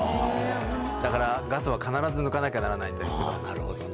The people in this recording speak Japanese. だからガスは必ず抜かなきゃならなるほどね。